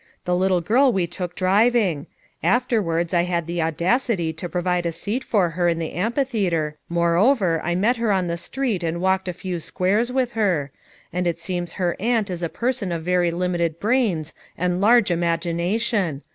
"The little girl we took driving; afterwards I had the audacity to provide, a seat for her in the am phitheatre, moreover, I met her on the street and walked a few squares with her; and it seems her aunt is a person of very limited brains and large imagination.